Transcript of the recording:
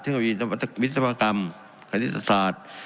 ที่มีวิทยาศาสตร์คณิตศาสตร์